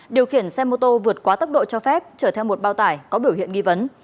điều khiển xe mô tô vượt quá tốc độ cho phép chở theo một bao tải có biểu hiện nghi vấn